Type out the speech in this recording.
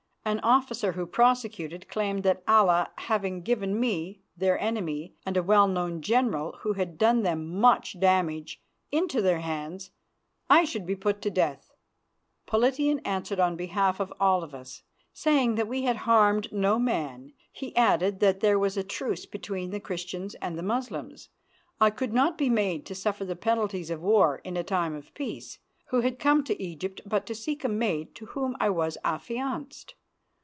An officer who prosecuted claimed that Allah having given me, their enemy and a well known general who had done them much damage, into their hands, I should be put to death. Politian answered on behalf of all of us, saying that we had harmed no man. He added that as there was a truce between the Christians and the Moslems, I could not be made to suffer the penalties of war in a time of peace, who had come to Egypt but to seek a maid to whom I was affianced.